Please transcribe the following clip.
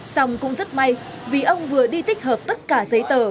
xong cũng rất may vì ông vừa đi tích hợp tất cả giấy tờ